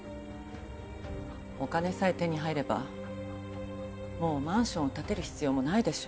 お金さえ手に入ればもうマンションを建てる必要もないでしょ。